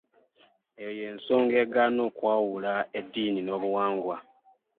Eyo y'ensonga egaana okwawula eddiini n'obuwangwa.